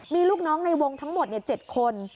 มีลูกน้องในวงทั้งหมด๗คน